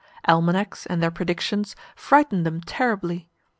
Almanacs, and their predictions, frightened them terribly.